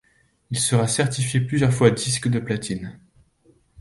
Il sera certifié plusieurs fois disque de platine.